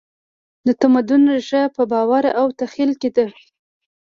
د تمدن ریښه په باور او تخیل کې ده.